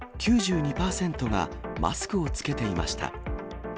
９２％がマスクを着けていました。